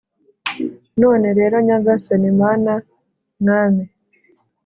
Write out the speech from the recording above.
none rero nyagasani, mana, mwami,